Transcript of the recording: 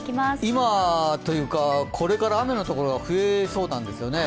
今というか、これから雨のところが増えそうなんですよね。